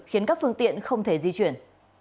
huyện không thể di chuyển